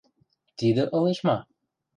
– Тидӹ ылеш ма?